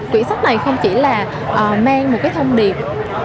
tủy sách này không chỉ là mang một cái thông điệp